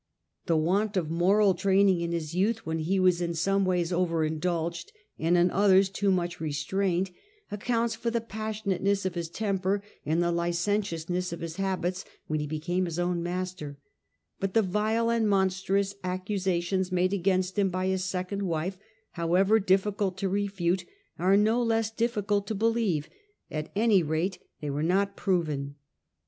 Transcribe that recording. The want of moral training in his youth, when he was in some ways over indulged, and in others too much restrained, accounts for the passion ateness of his temper, and the licentiousness of his habits when he became his own master ; but the vile and monstrous accusations made against him by his second wife, however difficult to refute, are no less diffi cult to believe ; at any rate they were not proven.